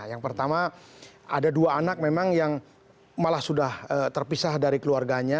yang pertama ada dua anak memang yang malah sudah terpisah dari keluarganya